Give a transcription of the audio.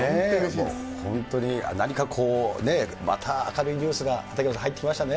本当に、何かこうね、また明るいニュースが畠山さん、入ってきましたね。